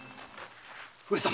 上様。